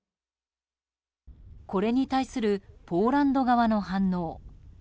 これに対するポーランド側の反応。